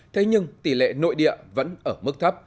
thế nhưng tỷ lệ nội địa vẫn ở mức thấp